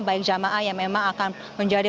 bisa menurut anda